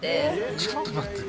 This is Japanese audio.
ちょっと待って。